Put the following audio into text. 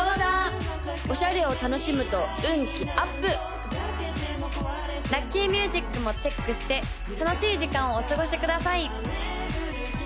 ・ラッキーミュージックもチェックして楽しい時間をお過ごしください